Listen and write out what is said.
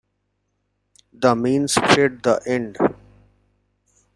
The means fit the end.